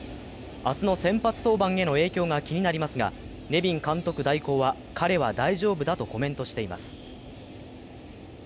明日の先発登板への影響が気になりますが、ネビン監督代行は彼は大丈夫だとコメントしています。